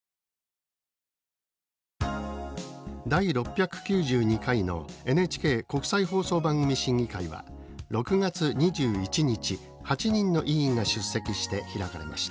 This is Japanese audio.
第６９２回のＮＨＫ国際放送番組審議会は６月２１日８人の委員が出席して開かれました。